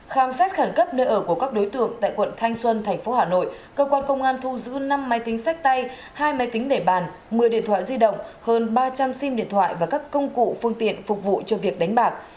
khám xét khẩn cấp nơi ở của các đối tượng tại quận thanh xuân tp hà nội cơ quan công an thu giữ năm máy tính sách tay hai máy tính để bàn một mươi điện thoại di động hơn ba trăm linh sim điện thoại và các công cụ phương tiện phục vụ cho việc đánh bạc